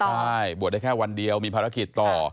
ใช่บวชได้แค่วันเดียวมีภารกิจต่อ